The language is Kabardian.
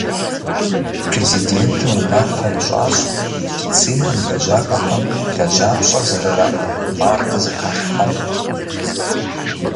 Президентым унафэ ищӀащ медицинэм и лэжьакӀуэхэм лэжьапщӀэр зэрырат мардэ зэхалъхьэну.